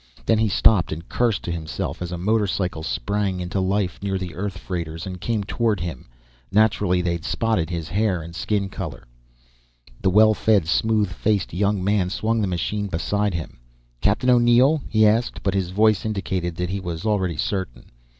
Then he stopped and cursed to himself as a motorcycle sprang into life near the Earth freighters and came toward him. Naturally, they'd spotted his hair and skin color. The well fed, smooth faced young man swung the machine beside him. "Captain O'Neill?" he asked, but his voice indicated that he was already certain.